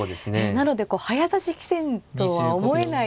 なので早指し棋戦とは思えないような。